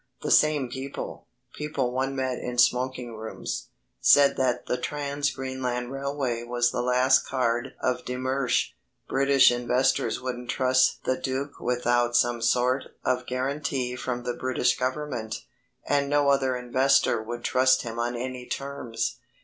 The same people people one met in smoking rooms said that the Trans Greenland Railway was the last card of de Mersch. British investors wouldn't trust the Duc without some sort of guarantee from the British Government, and no other investor would trust him on any terms.